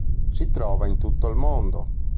Si trova in tutto il mondo.